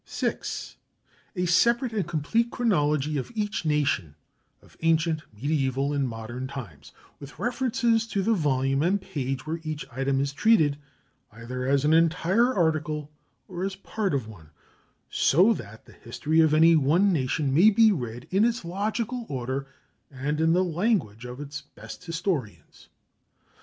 6. A separate and complete chronology of each nation of ancient, mediæval, and modern times, with references to the volume and page where each item is treated, either as an entire article or as part of one; so that the history of any one nation may be read in its logical order and in the language of its best historians.